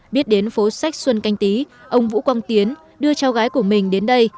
biết đến phố sách xuân canh tí ông vũ quang tiến đưa cháu gái của mình đến đây